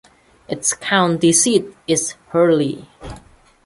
Its county seat is Hurley.